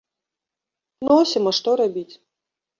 Носім, а што рабіць.